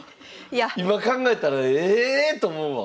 今考えたらえ！と思うわ。